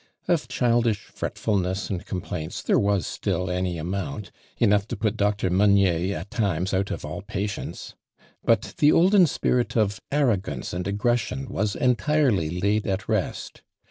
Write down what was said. Of cMldish fretfulness and complaints there was still any amount, enough to put Doctor Meunier at times out of all patience ; but the olden spirit of arrogance and aggression was entirely laid at rest.